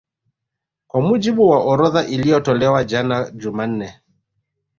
Kwa mujibu wa orodha iliyotolewa jana Jumanne